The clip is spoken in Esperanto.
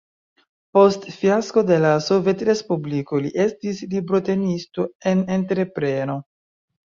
Post fiasko de la Sovetrespubliko li estis librotenisto en entrepreno.